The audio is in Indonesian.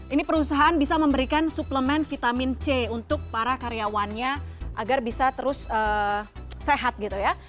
ini perusahaan bisa memberikan suplemen vitamin c untuk para karyawannya agar bisa terus sehat gitu ya